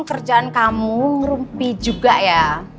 kerjaan kamu rumpi juga ya